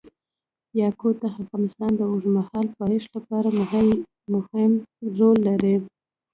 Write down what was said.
یاقوت د افغانستان د اوږدمهاله پایښت لپاره مهم رول لري.